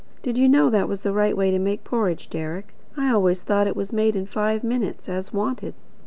Did you know that was the right way to make porridge, Deryck? I always thought it was made in five minutes, as wanted.